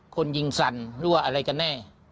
คนยิงสั่นหรือว่าอะไรกันแน่